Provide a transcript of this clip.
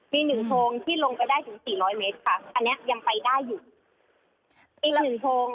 มีหนึ่งโพงที่ลงไปได้ถึงสี่ร้อยเมตรค่ะอันเนี้ยยังไปได้อยู่อีกหนึ่งโพง